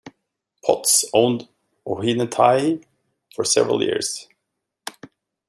Potts owned Ohinetahi for several years.